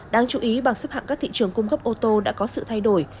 đáng chú ý bằng xếp hạng các thị trường cung cấp ô tô đã có sự thay đổi